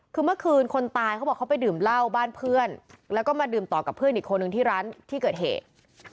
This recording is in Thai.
คือเมื่อคืนคนตายเขาบอกเขาไปดื่มเหล้าบ้านเพื่อนแล้วก็มาดื่มต่อกับเพื่อนอีกคนนึงที่ร้านที่เกิดเหตุ